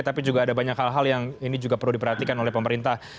tapi juga ada banyak hal hal yang ini juga perlu diperhatikan oleh pemerintah